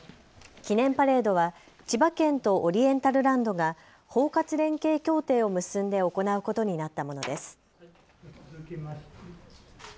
記念パレードは千葉県とオリエンタルランドが包括連携協定を結んで行うことになったものです。